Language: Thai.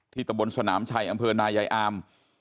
ตำบลสนามชัยอำเภอนายายอาม